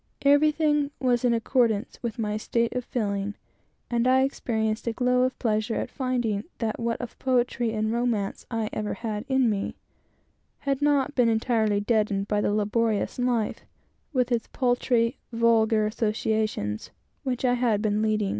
Everything was in accordance with my state of feeling, and I experienced a glow of pleasure at finding that what of poetry and romance I ever had in me, had not been entirely deadened by the laborious and frittering life I had led.